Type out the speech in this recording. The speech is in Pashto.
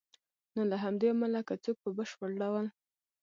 نو له همدې امله که څوک په بشپړ ډول